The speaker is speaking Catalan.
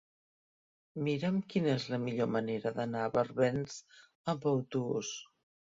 Mira'm quina és la millor manera d'anar a Barbens amb autobús.